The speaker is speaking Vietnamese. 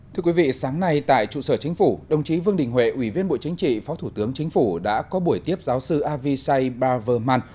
thưa quý vị sáng nay tại trụ sở chính phủ đồng chí vương đình huệ ủy viên bộ chính trị phó thủ tướng chính phủ đã có buổi tiếp giáo sư avishai barverman